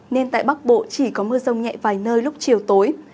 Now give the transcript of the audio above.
nên tại bắc bộ chỉ có mưa rông nhẹ vài nơi lúc chiều tối